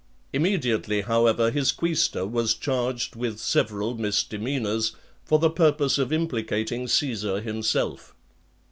Immediately, however, his quaestor was charged with several misdemeanors, for the purpose of implicating Caesar himself.